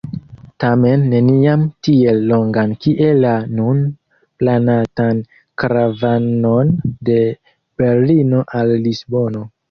Tamen neniam tiel longan kiel la nun planatan karavanon de Berlino al Lisbono.